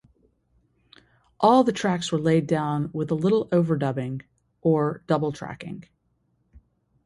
All of the tracks were laid down with little over-dubbing or double-tracking.